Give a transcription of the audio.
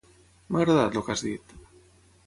M'ha agradat el que has dit.